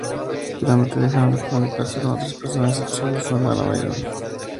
Finalmente dejaron de comunicarse con otras personas, a excepción de su hermana menor, Rose.